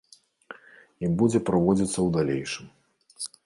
І будзе праводзіцца ў далейшым.